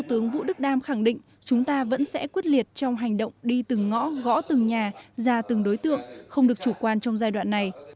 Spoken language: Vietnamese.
phó thủ tướng vũ đức đam khẳng định chúng ta vẫn sẽ quyết liệt trong hành động đi từng ngõ gõ từng nhà ra từng đối tượng không được chủ quan trong giai đoạn này